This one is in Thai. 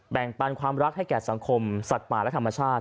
ปันความรักให้แก่สังคมสัตว์ป่าและธรรมชาติ